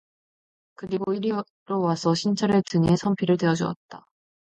그리고 이리로 와서 신철의 등에 섬피를 대어 주었다.